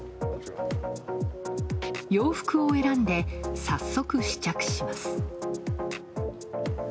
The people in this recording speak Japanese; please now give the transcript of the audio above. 洋服を選んで、早速試着します。